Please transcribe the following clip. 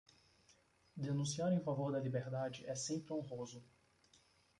Denunciar em favor da liberdade é sempre honroso.